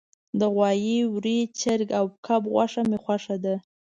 د غوایی، وری، چرګ او کب غوښه می خوښه ده